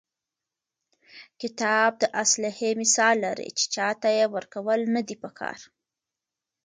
کتاب د اسلحې مثال لري، چي چا ته ئې ورکول نه دي په کار.